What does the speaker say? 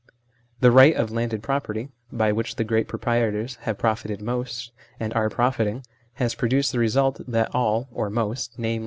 The right of landed property, by which the great proprietors have profited most, and are profiting, has produced the result that all, or most, i.e.